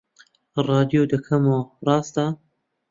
ڕادیۆ دەکەمەوە، ڕاستە